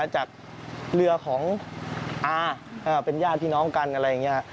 จากเรือของอาเป็นญาติพี่น้องกันอะไรอย่างนี้